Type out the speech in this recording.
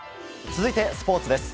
続いてスポーツです。